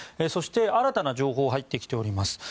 そして、新たな情報が入ってきています。